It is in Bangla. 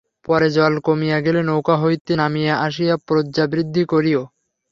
পরে জল কমিয়া গেলে নৌকা হইতে নামিয়া আসিয়া প্রজাবৃদ্ধি করিও।